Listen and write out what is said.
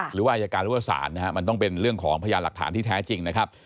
หรือว่าอายการหรือว่าศาลนะฮะมันต้องเป็นเรื่องของพยานหลักฐานที่แท้จริงนะครับ